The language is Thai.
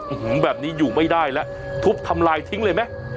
แบบนี้อยู่ไม่ได้แล้วทุบทำลายทิ้งเลยไหม